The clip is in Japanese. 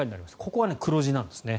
ここは黒字なんですね。